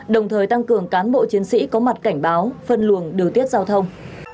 đồng thời tăng cường cán bộ chiến sĩ có mặt cảnh báo phân luồng điều tiết giao thông